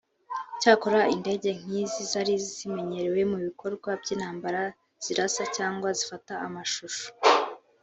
Cyakora indege nk’izi zari zimenyerewe mu bikorwa by’intambara zirasa cyangwa zifata amashusho